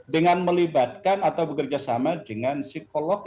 dengan melibatkan atau bekerjasama dengan psikolog